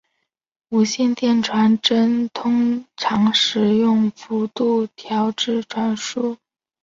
无线电传真通常使用幅度调制传输。